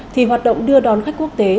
thì hoạt động đưa đón khách quốc tế